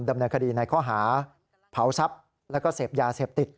ดำเนินคดีในข้อหาเผาทรัพย์แล้วก็เสพยาเสพติด